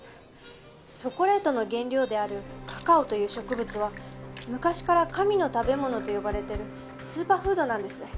チョコレートの原料であるカカオという植物は昔から神の食べ物と呼ばれてるスーパーフードなんです。